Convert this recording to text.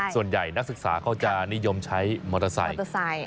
นักศึกษาเขาจะนิยมใช้มอเตอร์ไซค์